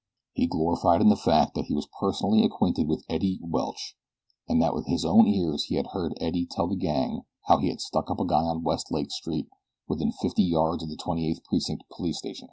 He gloried in the fact that he was personally acquainted with "Eddie" Welch, and that with his own ears he had heard "Eddie" tell the gang how he stuck up a guy on West Lake Street within fifty yards of the Twenty eighth Precinct Police Station.